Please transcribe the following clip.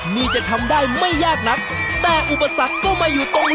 ที่ต้องทำได้ไม่ยากนักอุปสาหก็มาอยู่ตรงนี้